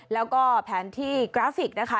แล้วก็แผนที่กราฟิกนะคะ